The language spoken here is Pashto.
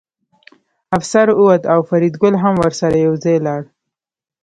افسر ووت او فریدګل هم ورسره یوځای لاړ